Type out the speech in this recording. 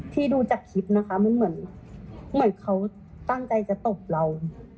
ที่ดูจากคลิปนะคะมันเหมือนเขาตั้งใจจะตบเรา